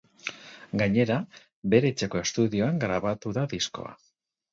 Gainera, bere etxeko estudioan grabatu da diskoa.